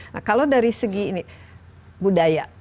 nah kalau dari segi budaya